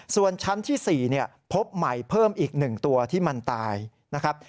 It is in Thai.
ส่วนชั้นที่๔พบใหม่เพิ่มอีก๑ตัวที่มันตายนะครับ